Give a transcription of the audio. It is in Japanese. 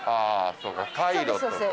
そうかカイロとか。